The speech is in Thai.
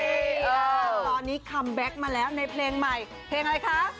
ตอนนี้คัมแบ็คมาแล้วในเพลงใหม่เพลงอะไรคะ